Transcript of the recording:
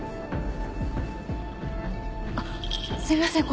あっすいません